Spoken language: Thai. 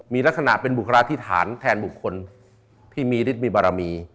มีลักษณะเป็นบุคลาธิษฐานแทนบุคคลที่มีฤทธิมีบารมี